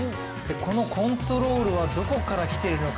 このコントロールはどこからきているのか